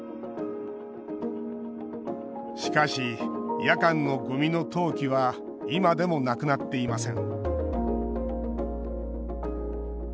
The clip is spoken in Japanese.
しかし、夜間のゴミの投棄は今でもなくなっていません